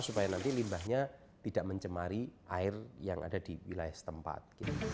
supaya nanti limbahnya tidak mencemari air yang ada di wilayah setempat